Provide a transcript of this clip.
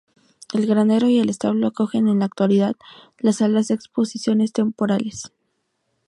El granero y el establo acogen en la actualidad las salas de exposiciones temporales.